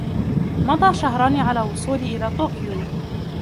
مضى شهران على وصولي إلى طوكيو.